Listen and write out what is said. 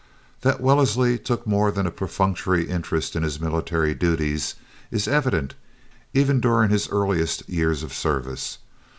That Wellesley took more than a perfunctory interest in his military duties is evident even during his earliest years of service.